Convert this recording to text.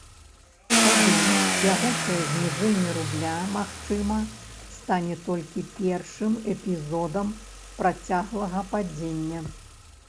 Тады бягучае зніжэнне рубля, магчыма, стане толькі першым эпізодам працяглага падзення.